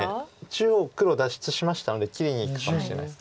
中央黒脱出しましたので切りにいくかもしれないです。